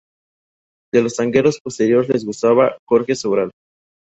De los tangueros posteriores le gustaba Jorge Sobral.